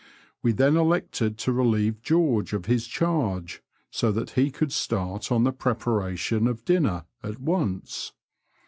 We then elected to relieve George of his charge, so that he could start on the preparation of dinner at once.